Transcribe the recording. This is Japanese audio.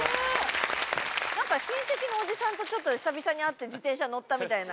なんか親戚のおじさんとちょっと久々に会って自転車乗ったみたいな。